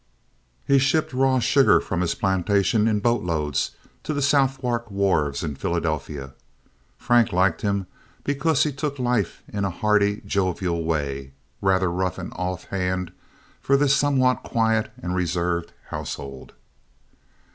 He shipped raw sugar from his plantation in boat loads to the Southwark wharves in Philadelphia. Frank liked him because he took life in a hearty, jovial way, rather rough and offhand for this somewhat quiet and reserved household.